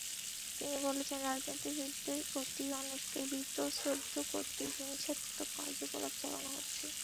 তিনি বলেছেন, রাজনীতিবিদদের প্রতি মানুষকে বীতশ্রদ্ধ করতেই হিংসাত্মক কার্যকলাপ চালানো হচ্ছে।